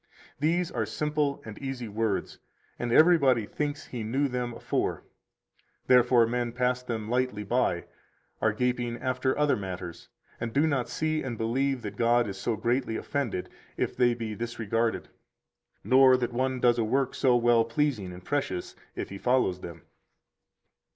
These are simple and easy words, and everybody thinks he knew them afore; therefore men pass them lightly by, are gaping after other matters, and do not see and believe that God is so greatly offended if they be disregarded, nor that one does a work so well pleasing and precious if he follows them.